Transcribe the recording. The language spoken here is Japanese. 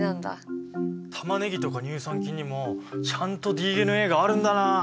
タマネギとか乳酸菌にもちゃんとＤＮＡがあるんだな。